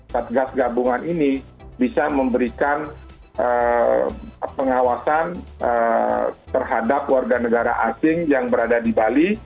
satgas gabungan ini bisa memberikan pengawasan terhadap warga negara asing yang berada di bali